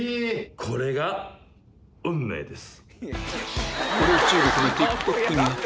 これが運命です。